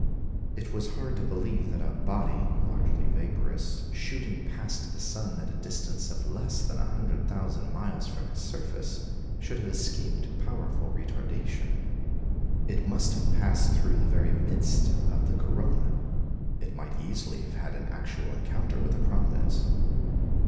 It was hard to believe that a body, largely vaporous, shooting past the sun at a distance of less than a hundred thousand miles from his surface, should have escaped powerful retardation. It must have passed through the very midst of the corona. It might easily have had an actual encounter with a prominence.